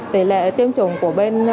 tỷ lệ tiêm chủng của bên